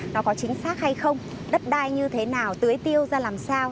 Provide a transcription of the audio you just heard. nó có chính xác hay không đất đai như thế nào tưới tiêu ra làm sao